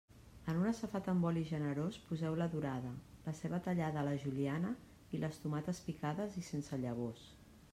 En una safata amb oli generós poseu la dorada, la ceba tallada a la juliana i les tomates picades i sense llavors.